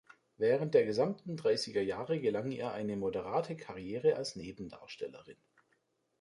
Während der gesamten dreißiger Jahre gelang ihr eine moderate Karriere als Nebendarstellerin.